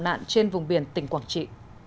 và gặp nạn trên vùng biển tỉnh quảng trị